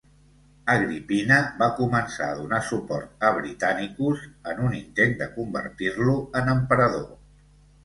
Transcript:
Agrippina va començar a donar suport a Britannicus en un intent de convertir-lo en emperador.